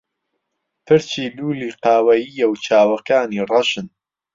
پرچی لوولی قاوەیییە و چاوەکانی ڕەشن.